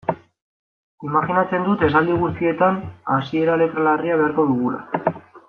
Imajinatzen dut esaldi guztietan hasieran letra larria beharko dugula.